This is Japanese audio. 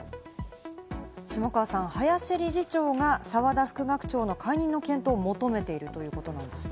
下川さん、林理事長が澤田副学長の解任の検討を求めているということなんですが。